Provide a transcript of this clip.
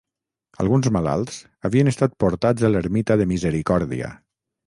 Alguns malalts havien estat portats a l'ermita de Misericòrdia.